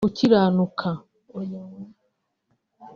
gukiranuka